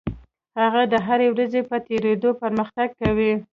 هغه د هرې ورځې په تېرېدو پرمختګ کوي.